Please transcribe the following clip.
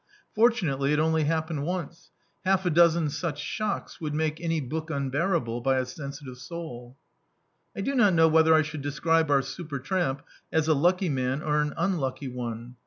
Fortunately it only hap pened once: half a dozen such shocks would make any book unbearable by a sensitive soul. I do not know whether I should describe our super tramp as a lucky man or an unlucky one.